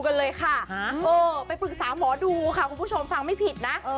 เอ่อไปปรึกษาหมอดูค่ะมี่ก็บอกว่าน่ากมากถึงขั้นที่เชื่อว่าคุณผู้ชมฟังไม่ผิดนะ